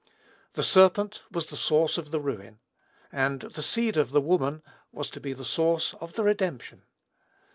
The serpent was the source of the ruin; and the seed of the woman was to be the source of the redemption.